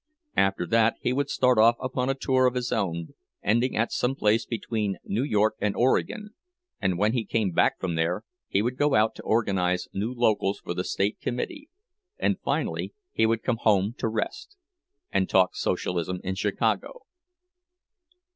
After that he would start off upon a tour of his own, ending at some place between New York and Oregon; and when he came back from there, he would go out to organize new locals for the state committee; and finally he would come home to rest—and talk Socialism in Chicago.